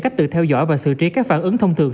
cách tự theo dõi và xử trí các phản ứng thông thường